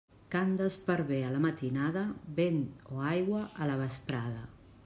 Cant d'esparver a la matinada, vent o aigua a la vesprada.